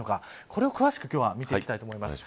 これを詳しく見ていきたいと思います。